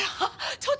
ちょっと。